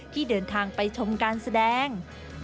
ที่เดินทางไปชมการแสดง